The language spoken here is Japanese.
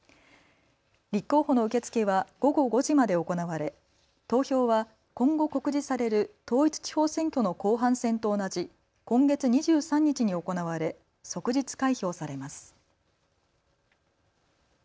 立候補の受け付けは午後５時まで行われ投票は今後告示される統一地方選挙の後半戦と同じ今月２３日に行われ即日開票されます。